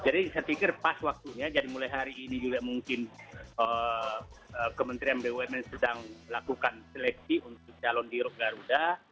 jadi saya pikir pas waktunya jadi mulai hari ini juga mungkin kementerian bumn sedang lakukan seleksi untuk calon di rute garuda